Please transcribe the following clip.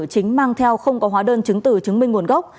chính mang theo không có hóa đơn chứng từ chứng minh nguồn gốc